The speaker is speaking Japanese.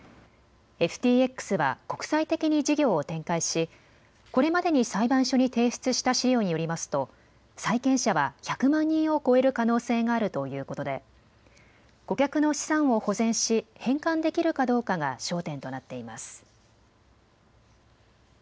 ＦＴＸは国際的に事業を展開しこれまでに裁判所に提出した資料によりますと債権者は１００万人を超える可能性があるということで顧客の資産を保全し返還できるかどうかが焦点となっています。